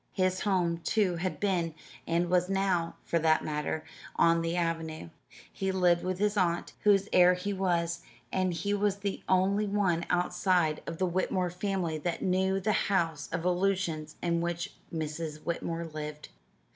His home, too, had been and was now, for that matter on the avenue. He lived with his aunt, whose heir he was, and he was the only one outside of the Whitmore family that knew the house of illusions in which Mrs. Whitmore lived.